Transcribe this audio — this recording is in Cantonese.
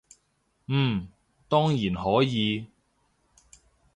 嗯，當然可以